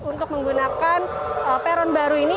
untuk menggunakan peron baru ini